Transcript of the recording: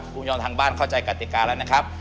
คุณผู้ชมทางบ้านเข้าใจกติกาแล้วนะครับ